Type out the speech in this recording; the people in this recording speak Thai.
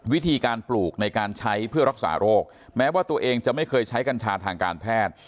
วิธีการปลูกในการใช้เพื่อรักษาโรคแม้ว่าตัวเองจะไม่เคยใช้กัญชาทางการแพทย์